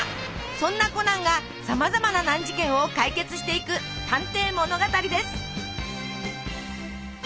そんなコナンがさまざまな難事件を解決していく探偵物語です。